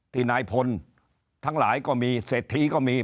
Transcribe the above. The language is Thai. ที่นายพลทั้งหลายก็มีเศรษฐีก็มี